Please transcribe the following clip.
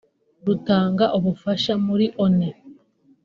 rutanga ubufasha muri Loni